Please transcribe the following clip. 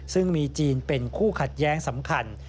ซึ่งมีจีนเป็นคู่ขัดแย้งสำคัญ